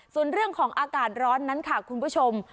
ส่วนเรื่องของอากาศร้อนนั้นค่ะคุณผู้ชม